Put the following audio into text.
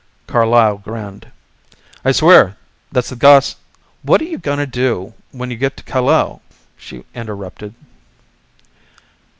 Carlyle grinned. "I swear that's the gos " "What you going to do when you get to Callao?" she interrupted.